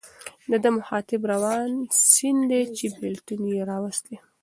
د ده مخاطب روان سیند دی چې بېلتون یې راوستی.